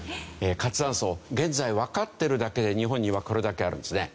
活断層現在わかってるだけで日本にはこれだけあるんですね。